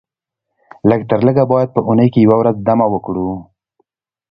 لږ تر لږه باید په اونۍ کې یوه ورځ دمه وکړو